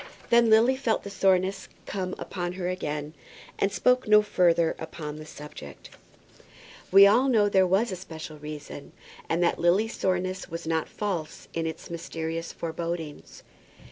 Then Lily felt the soreness come upon her again, and spoke no further upon the subject. We all know that there was a special reason, and that Lily's soreness was not false in its mysterious forebodings.